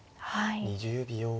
２０秒。